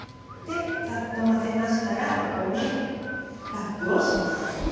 でざっと混ぜましたらここにラップをします。